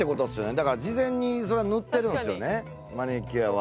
だから事前に塗っているんですよねマニキュアは。